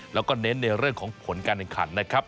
แล้วก็เน้นในเรื่องของผลการแข่งขันนะครับ